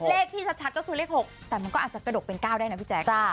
เลขที่ชัดก็คือเลข๖แต่มันก็อาจจะกระดกเป็น๙ได้นะพี่แจ๊ค